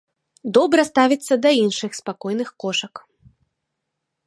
Добра ставіцца да іншых спакойных кошак.